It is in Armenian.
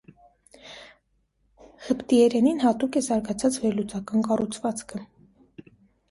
Ղպտիերենին հատուկ է զարգացած վերլուծական կառուցվածքը։